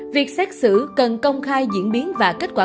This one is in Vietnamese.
việc xét xử cần công khai diễn biến và kết quả